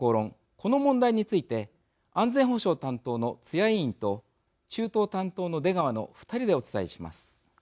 この問題について安全保障担当の津屋委員と中東担当の出川の２人でお伝えします。